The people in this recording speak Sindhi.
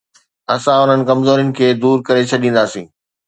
اسان انهن ڪمزورين کي دور ڪري ڇڏينداسين.